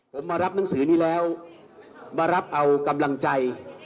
ผมมารับหนังสือนี้แล้วมารับเอากำลังใจ